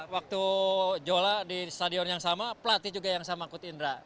waktu zola di stadion yang sama platy juga yang sama kut indra